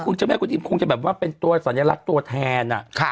คุณเจ้าแม่คุณอิมคงจะแบบว่าเป็นตัวสัญลักษณ์ตัวแทน